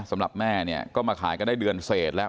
สำหรับแม่เนี่ยก็มาขายกันได้เดือนเศษแล้ว